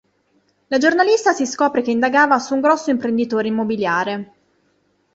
La giornalista si scopre che indagava su un grosso imprenditore immobiliare.